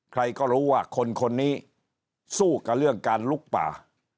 ใครก็รู้ว่าคนคนนี้สู้กับเรื่องการลุกป่า